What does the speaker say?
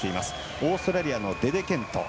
オーストラリアのデデケント。